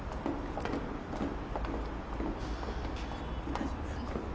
大丈夫？